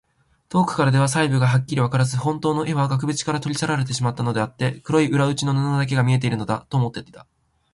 遠くからでは細部がはっきりわからず、ほんとうの絵は額ぶちから取り去られてしまったのであって、黒い裏打ちの布だけが見えているのだ、と思っていた。